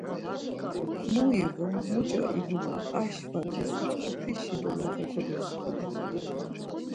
Mu ivu, muç̌o ivuna aşvacis mtzǩupişi doloxe kodoskidu.